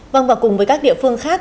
vâng và cùng với các địa phương khác